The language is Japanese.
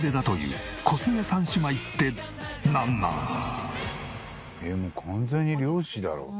えっもう完全に漁師だろ。